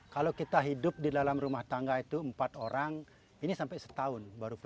kalau kita hidup di dalam rumah tangga itu empat orang ini sampai setahun